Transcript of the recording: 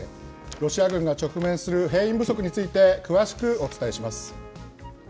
ロシア軍が直面する兵員不足について詳しくお伝えします。